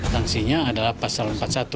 sanksinya adalah pasal empat puluh satu